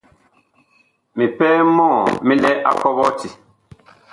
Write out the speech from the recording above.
Mipɛɛ mɔɔ mi lɛ a kɔɓɔti.